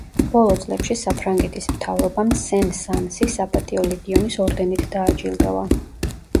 ბოლო წლებში საფრანგეთის მთავრობამ სენ-სანსი საპატიო ლეგიონის ორდენით დააჯილდოვა.